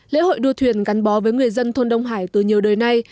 lễ hội đua thuyền gắn bó với người dân thôn đông hải từ nhiều đời nay